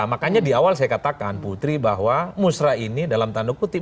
makanya di awal saya katakan putri bahwa musrah ini dalam tanda kutip